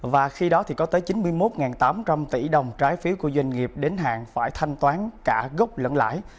và khi đó thì có tới chín mươi một tám trăm linh tỷ đồng trái phiếu của doanh nghiệp đến hàng phải thanh toán cả gốc lẫn lãi